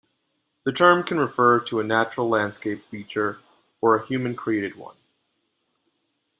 The term can refer to a natural landscape feature or a human-created one.